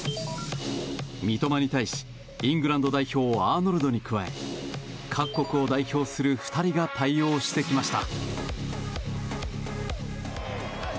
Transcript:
三笘に対し、イングランド代表アーノルドに加え各国を代表する２人が対応してきました。